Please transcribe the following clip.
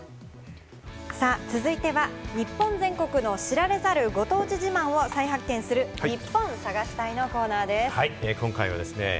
続いては、日本全国の知られざるご当地自慢を再発見する、ニッポン探し隊のコーナーです。